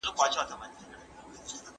هغه غواړي چي خپل علمي مخالفت په ډاګه کړي.